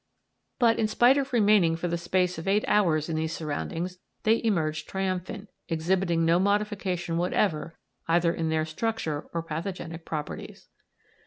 But, in spite of remaining for the space of eight hours in these surroundings, they emerged triumphant, exhibiting no modification whatever either in their structure or pathogenic properties.